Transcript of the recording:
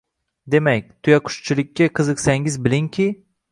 Demak, tuyaqushchilikka qiziqsangiz bilingki: